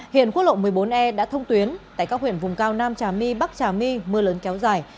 hiện quốc lộ một mươi bốn e đã thông tuyến tại các huyện vùng cao nam trà my bắc trà my mưa lớn kéo dài